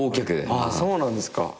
そうなんですか。